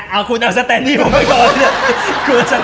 เอาคุณเอาแซนดี้ผมเป็นของช่วย